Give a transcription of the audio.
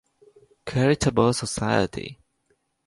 Charitable Society.